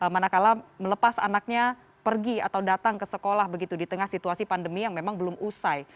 manakala melepas anaknya pergi atau datang ke sekolah begitu di tengah situasi pandemi yang memang belum usai